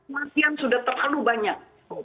masih sudah terlalu banyak